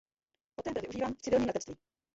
Poté byl využíván v civilním letectví.